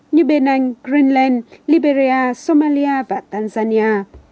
như bên anh greenland liberia somalia và tanzania